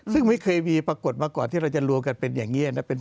ซึ่งไม่เคยมีปรากฏมาก่อนที่เราจะรวมกันเป็นอย่างนี้นะ